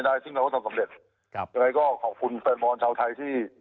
ซึ่งเราก็ทำสำเร็จครับยังไงก็ขอบคุณแฟนบอลชาวไทยที่